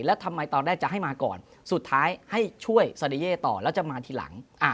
แล้วทำไมตอนแรกจะให้มาก่อนสุดท้ายให้ช่วยซาเดเย่ต่อแล้วจะมาทีหลัง